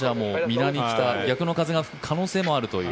逆の風が吹く可能性があるという。